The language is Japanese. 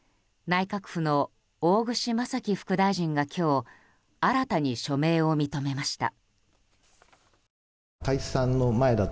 内閣府の大串正樹副大臣が今日、新たに署名を認めました。